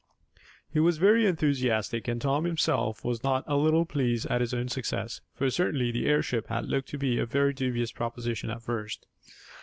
He was very enthusiastic, and Tom himself was not a little pleased at his own success, for certainly the airship had looked to be a very dubious proposition at first.